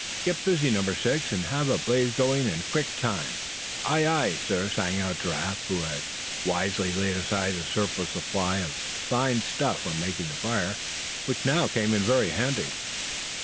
"Get busy, Number Six, and have a blaze going in quick time." "Ay, ay, sir," sang out Giraffe, who had wisely laid aside a surplus supply of fine stuff when making the fire, which now came in very handy.